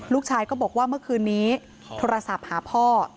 ลูกชายก็บอกว่าเมื่อคืนนี้โทรศัพท์หาพ่อ